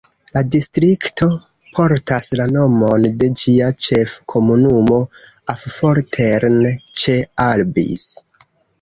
La distrikto portas la nomon de ĝia ĉef-komunumo Affoltern ĉe Albis.